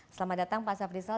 selamat datang pak safrizal